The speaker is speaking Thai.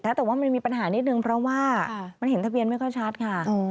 แต่ว่ามันมีปัญหานิดนึงเพราะว่ามันเห็นทะเบียนไม่ค่อยชัดค่ะ